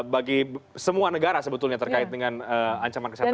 bagi semua negara sebetulnya terkait dengan ancaman kesehatan